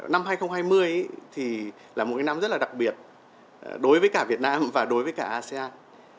năm hai nghìn hai mươi thì là một năm rất là đặc biệt đối với cả việt nam và đối với cả asean